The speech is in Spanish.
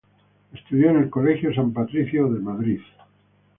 Estudió en el Colegio San Patricio de Madrid.